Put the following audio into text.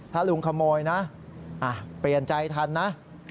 ถ้าลุงขโมยนะเปลี่ยนใจทันนะ